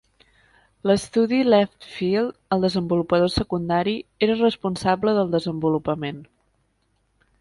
L'estudi Left Field, el desenvolupador secundari, era responsable del desenvolupament.